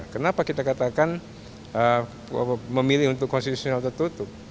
kenapa kita katakan memilih untuk konstitusional tertutup